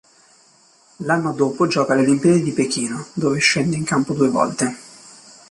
L'anno dopo gioca le Olimpiadi di Pechino, dove scende in campo due volte.